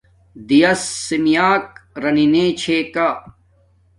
دِیَس سِمِیݳک ارِنݺ چھݺ کݳ.